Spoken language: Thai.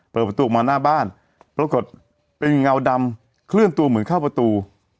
เปิดประตูออกมาหน้าบ้านปรากฏเป็นเงาดำเคลื่อนตัวเหมือนเข้าประตู